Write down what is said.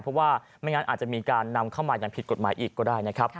เพราะว่าไม่งั้นอาจจะมีการนำเข้ามาอย่างผิดกฎหมายอีกก็ได้นะครับ